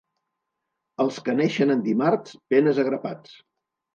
Els que neixen en dimarts, penes a grapats.